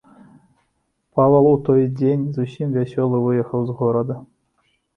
Павал у той дзень зусім вясёлым выехаў з горада.